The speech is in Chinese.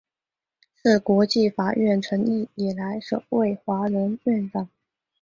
是国际法院成立以来首位华人院长。